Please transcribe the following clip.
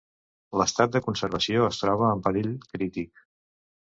L'estat de conservació es troba en perill crític.